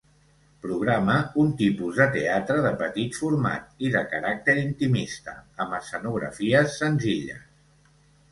Programa un tipus de teatre de petit format i de caràcter intimista, amb escenografies senzilles.